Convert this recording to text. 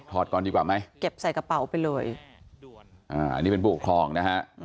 ก่อนดีกว่าไหมเก็บใส่กระเป๋าไปเลยอันนี้เป็นผู้ปกครองนะฮะ